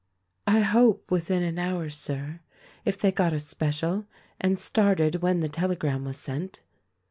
"I hope, within an hour, Sir, if they got a special and started when the telegram was sent."